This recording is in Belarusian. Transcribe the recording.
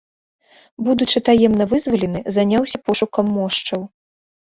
Будучы таемна вызвалены, заняўся пошукам мошчаў.